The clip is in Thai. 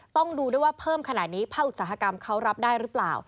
ต้องดูด้วยว่าเพิ่มขนาดนี้ภาคอุตสาหกรรมเขารับได้หรือเปล่า